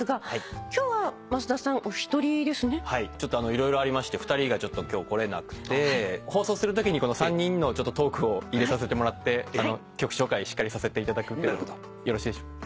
色々ありまして２人が今日来れなくて放送するときに３人のトークを入れさせてもらって曲紹介しっかりさせていただくってことでよろしいでしょうか？